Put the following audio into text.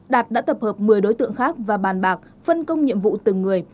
đạt đã tập hợp một mươi đối tượng khác và bàn bạc phân công nhiệm vụ từng người